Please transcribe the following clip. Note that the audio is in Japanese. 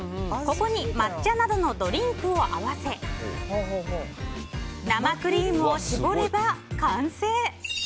ここに、抹茶などのドリンクを合わせ生クリームを絞れば完成。